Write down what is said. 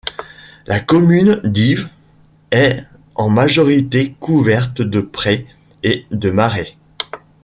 La commune d'Yves est en majorité couverte de prés et de marais.